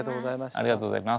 ありがとうございます。